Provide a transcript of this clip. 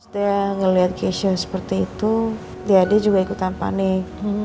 setelah ngeliat keisha seperti itu dia juga ikutan panik